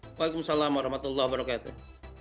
waalaikumsalam warahmatullahi wabarakatuh